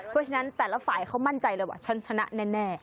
เพราะฉะนั้นแต่ละฝ่ายเขามั่นใจเลยว่าฉันชนะแน่